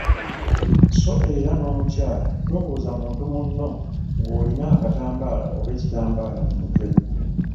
So era n’omukyala tobuuza muntu munno ng’olina akatambaala oba ekitambaala ku mutwe.